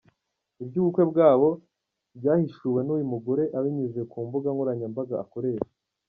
Iby’ubukwe bwabo byahishuwe n’uyu mugore abinyujije ku mbuga nkoranyambaga akoresha.